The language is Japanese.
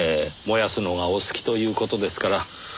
燃やすのがお好きという事ですから。